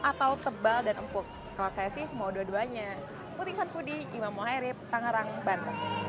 atau tebal dan empuk kalau saya sih mau dua duanya putihkan pudi imam muhaerib tangarang ban